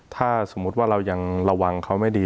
ถ้าสมมุติว่าเรายังระวังเขาไม่ดี